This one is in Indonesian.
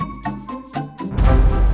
terima kasih pak